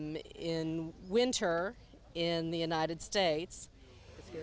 pada musim panas di amerika